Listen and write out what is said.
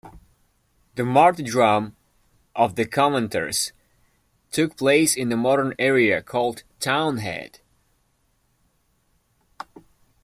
The martyrdom of the Covenanters took place in the modern area called Townhead.